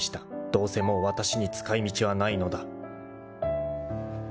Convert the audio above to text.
［どうせもうわたしに使い道はないのだ］